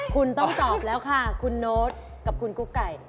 คุณต้องตอบแล้วค่ะคุณโน๊ตกับคุณกุ๊กไก่